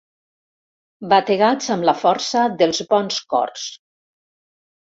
Bategats amb la força dels bons cors.